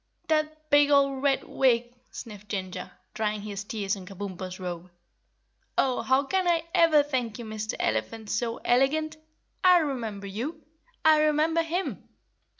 "That big old Red Wig," sniffed Ginger, drying his tears on Kabumpo's robe. "Oh, how can I ever thank you, Mister Elephant so Elegant! I remember you! I remember him!"